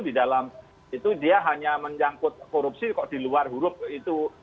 di dalam itu dia hanya menyangkut korupsi kok di luar huruf itu